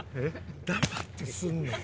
黙ってすんねん！